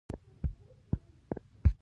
د پیرودونکو اړتیاوې هر کال بدلېږي.